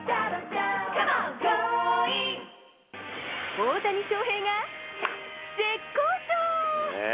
大谷翔平が絶好調。